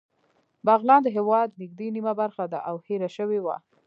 بغلان د هېواد نږدې نیمه برخه ده او هېره شوې وه